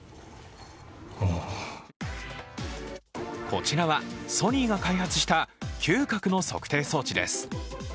こちらはソニーが開発した嗅覚の測定装置です。